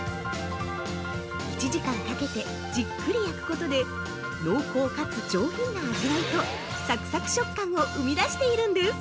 １時間かけてじっくり焼くことで濃厚かつ上品な味わいとサクサク食感を生み出しているんです。